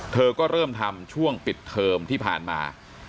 เธอก็เริ่มทำช่วงปิดเทอมที่ผ่านมา